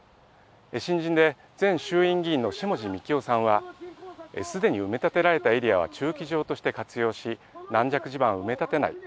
新人で前衆院議員の下地幹郎さんは、すでに埋め立てられたエリアは駐機場として活用し、軟弱地盤は埋め立てない。